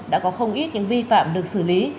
đã có không ít những vi phạm được xử lý